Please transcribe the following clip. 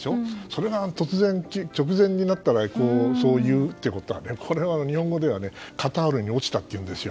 それが突然、直前になってそういうってことはこれは日本語ではカタールに落ちたというんです。